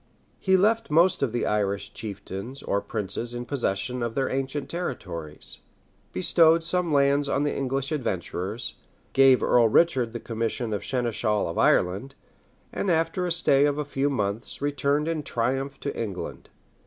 He left most of the Irish chieftains or princes in possession of their ancient territories; bestowed some lands on the English adventurers; gave Earl Richard the commission of seneschal of Ireland; and after a stay of a few months, returned in triumph to England.